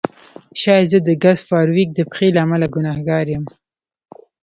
شاید زه د ګس فارویک د پیښې له امله ګناهګار یم